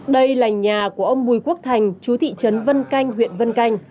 đây là nhà của ông bùi quốc thành chú thị trấn vân canh huyện vân canh